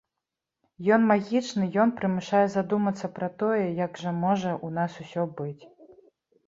Ён магічны, ён прымушае задумацца пра тое, як жа можа ў нас усё быць.